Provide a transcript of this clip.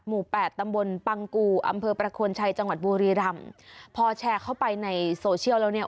แปดตำบลปังกูอำเภอประโคนชัยจังหวัดบุรีรำพอแชร์เข้าไปในโซเชียลแล้วเนี่ย